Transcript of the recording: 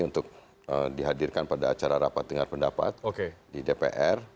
untuk dihadirkan pada acara rapat dengar pendapat di dpr